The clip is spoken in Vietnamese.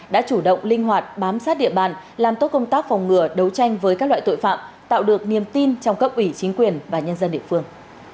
đã chủ động linh hoạt bám sát địa bàn làm tốt công tác phòng ngừa đấu tranh với các loại tội phạm tạo được niềm tin trong cấp ủy chính quyền và nhân dân địa phương